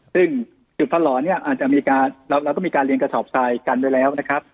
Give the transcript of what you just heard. ซึ่งจุดท่อหล่อเนี่ยอาจจะมีการเราต้องมีการเรียนกระสอบทรายกันไว้แล้วนะครับ